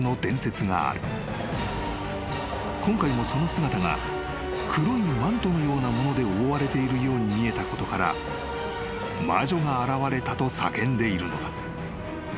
［今回もその姿が黒いマントのようなもので覆われているように見えたことから魔女が現れたと叫んでいるのだ］